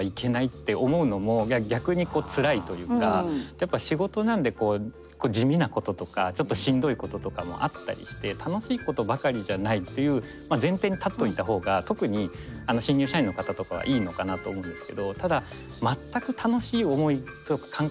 やっぱ仕事なんでこう地味なこととかちょっとしんどいこととかもあったりして楽しいことばかりじゃないという前提に立っといた方が特に新入社員の方とかはいいのかなと思うんですけど。